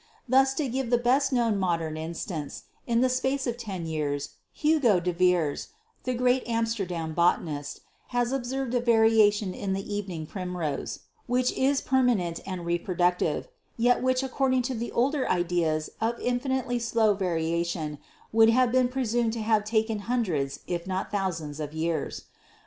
Thus, to give the best known modern instance, in the space of ten years Hugo de Vries, the great Amsterdam botanist, has ob served a variation in the Evening Primrose, which is per 238 GEOLOGY manent and reproductive, yet which according to the older ideas of infinitely slow variation would have been presumed to have taken hundreds, if not thousands, of years.